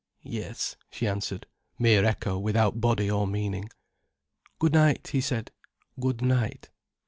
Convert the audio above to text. "Yes," she answered, mere echo without body or meaning. "Good night," he said. "Good night."